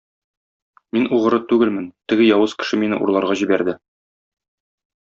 Мин угры түгелмен, теге явыз кеше мине урларга җибәрде.